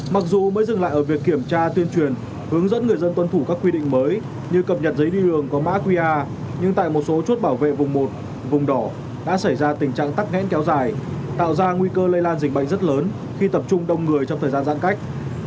mặc dù mới dừng lại ở việc kiểm tra tuyên truyền hướng dẫn người dân tuân thủ các quy định mới như cập nhật giấy đi đường có mã qr nhưng tại một số chốt bảo vệ vùng một vùng đỏ đã xảy ra tình trạng tắc nghẽn kéo dài tạo ra nguy cơ lây lan dịch bệnh rất lớn khi tập trung đông người trong thời gian giãn cách